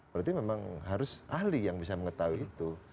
berarti memang harus ahli yang bisa mengetahui itu